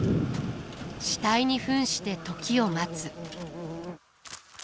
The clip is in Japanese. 死体に扮して時を待つ。